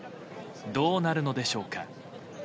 どうなるのでしょうか。